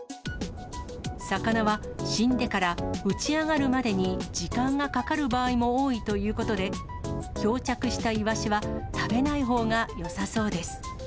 魚は死んでから打ち上がるまでに時間がかかる場合も多いということで、漂着したイワシは、食べないほうがよさそうです。